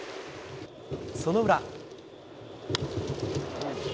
その裏。